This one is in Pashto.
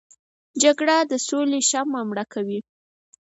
جګړه د سولې شمعه مړه کوي